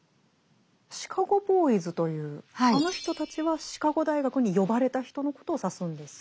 シカゴ・ボーイズというあの人たちはシカゴ大学に呼ばれた人のことを指すんですか？